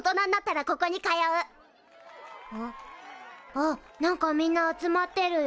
あっ何かみんな集まってるよ。